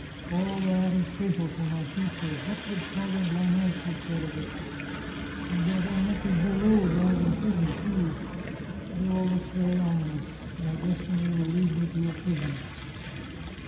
All that is fatal for my future. What would Father Blanes have said of it? And that unlucky Boulot died in prison, too. It all looks very ominous. My destiny will lead me to a prison